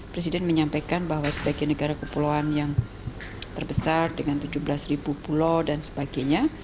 presiden menyampaikan bahwa sebagai negara kepulauan yang terbesar dengan tujuh belas ribu pulau dan sebagainya